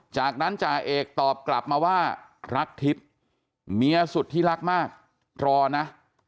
จากนั้นจ่าเอกตอบกลับมาว่ารักทิศเมียสุดที่รักมากรอนะ